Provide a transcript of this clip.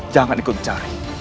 jangan ikut mencari